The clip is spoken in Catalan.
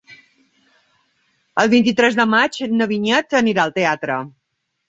El vint-i-tres de maig na Vinyet anirà al teatre.